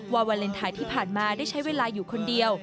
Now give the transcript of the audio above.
วาเลนไทยที่ผ่านมาได้ใช้เวลาอยู่คนเดียว